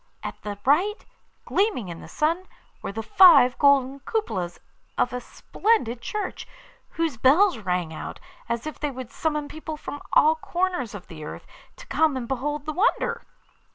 At the right, gleaming in the sun, were the five golden cupolas of a splendid church, whose bells rang out, as if they would summon people from all corners of the earth to come and behold the wonder.